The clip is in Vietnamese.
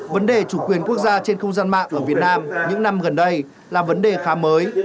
vấn đề chủ quyền quốc gia trên không gian mạng ở việt nam những năm gần đây là vấn đề khá mới